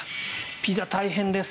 ピザ、大変です。